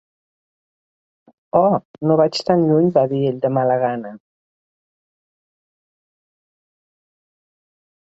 "Oh, no vaig tant lluny", va dir ell de mala gana.